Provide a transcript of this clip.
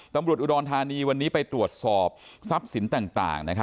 ตำรวจอุดรธานีวันนี้ไปตรวจสอบทรัพย์สินต่าง